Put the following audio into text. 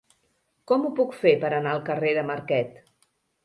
Com ho puc fer per anar al carrer de Marquet?